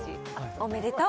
おめでとう。